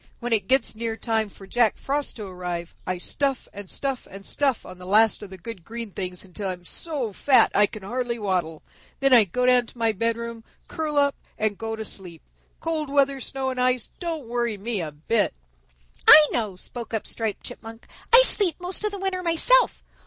"When it gets near time for Jack Frost to arrive, I stuff and stuff and stuff on the last of the good green things until I'm so fat I can hardly waddle. Then I go down to my bedroom, curl up and go to sleep. Cold weather, snow and ice don't worry me a bit." "I know," spoke up Striped Chipmunk. "I sleep most of the winter myself.